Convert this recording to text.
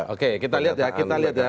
oke kita lihat ya pernyataan